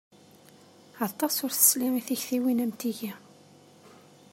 Aṭas ur tesli i tiktiwin am tigi.